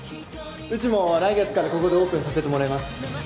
うちも来月からここでオープンさせてもらいます。